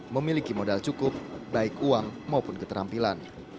memiliki modal cukup baik uang maupun keterampilan